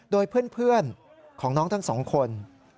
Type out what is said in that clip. โดยเพื่อนของน้องทั้งสองคน